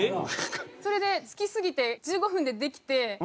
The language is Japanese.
それで好きすぎて１５分でできて。